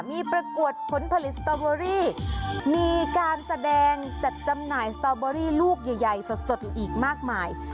มีประกวดผลผลิตสตอเบอรี่มีการแสดงจัดจำหน่ายสตอเบอรี่ลูกใหญ่สดอีกมากมาย